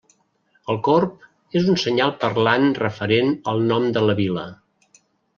El corb és un senyal parlant referent al nom de la vila.